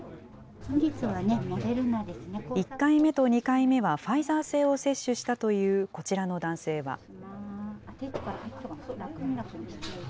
１回目と２回目はファイザー製を接種したというこちらの男性は。